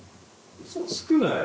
「うそつくなよ」